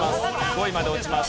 ５位まで落ちます。